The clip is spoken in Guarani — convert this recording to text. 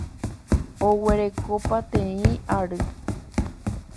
Oguereko pateĩ ary.